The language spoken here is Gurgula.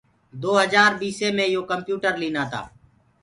دو هجآر بيسي مي يو ڪمپيوٽر لينآ تآ۔